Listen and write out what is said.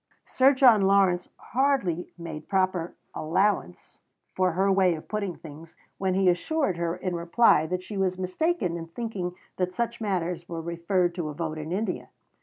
Sir John Lawrence hardly made proper allowance for her way of putting things when he assured her in reply that she was mistaken in thinking that such matters were referred to a vote in India.